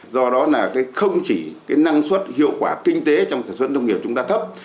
do đó là không chỉ cái năng suất hiệu quả kinh tế trong sản xuất nông nghiệp chúng ta thấp